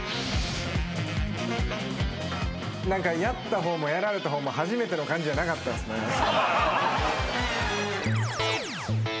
やった方もやられた方も初めての感じじゃなかったですね。